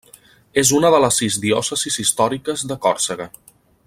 És una de les sis diòcesis històriques de Còrsega.